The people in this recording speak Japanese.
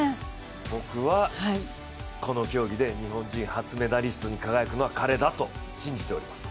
僕はこの競技で日本人初メダリストに輝くのは彼だと信じております。